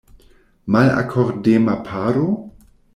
Malakordema paro?